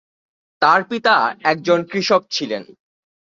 তার পিতা একজন কৃষক ছিলেন।